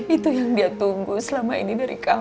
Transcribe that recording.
itu yang dia tunggu selama ini dari kamu